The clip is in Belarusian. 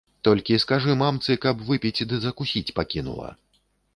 Толькі скажы мамцы, каб выпіць ды закусіць пакінула.